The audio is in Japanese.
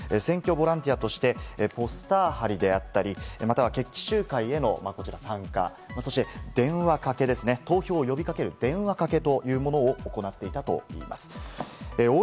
選挙ボランティアとしてポスター貼りであったり、または決起集会への参加、電話かけ、投票を呼びかける電話かけというものを行っていたといいます。